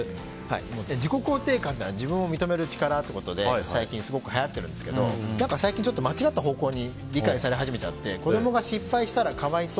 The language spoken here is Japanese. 自己肯定感は自分を認める力ということで最近すごく流行ってるんですけど間違った方向に理解され始めちゃって子供が失敗したら可哀想。